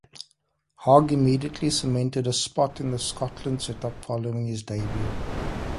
Hogg immediately cemented a spot in the Scotland setup following his debut.